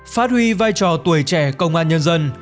phát huy vai trò tuổi trẻ công an nhân dân